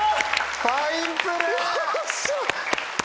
ファインプレー！